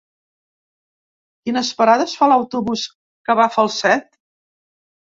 Quines parades fa l'autobús que va a Falset?